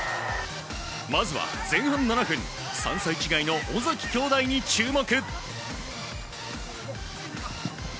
まずは前半７分３歳違いの尾崎兄弟に注目。